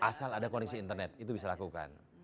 asal ada koneksi internet itu bisa lakukan